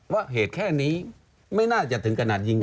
ว่าเหตุแค่นี้ไม่น่าจะถึงขนาดยิง